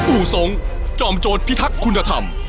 อู่สงฆ์จอมโจทย์พิทักษ์คุณธรรม